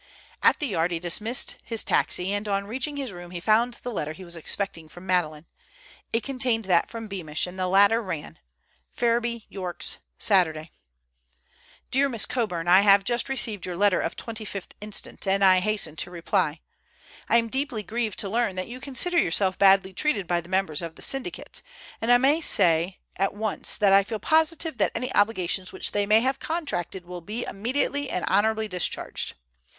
At the Yard he dismissed his taxi, and on reaching his room he found the letter he was expecting from Madeleine. It contained that from Beamish, and the latter read: "FERRIBY, YORKS, "Saturday. "DEAR MISS COBURN,—I have just received your letter of 25th inst., and I hasten to reply. "I am deeply grieved to learn that you consider yourself badly treated by the members of the syndicate, and I may say at once that I feel positive that any obligations which they may have contracted will be immediately and honorably discharged.